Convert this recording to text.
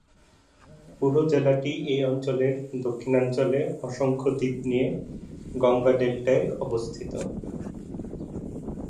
পুরো জেলাটি এই অঞ্চলের দক্ষিণাঞ্চলে অসংখ্য দ্বীপ নিয়ে গঙ্গা ডেল্টায় অবস্থিত।